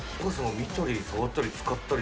見たり触ったり使ったり？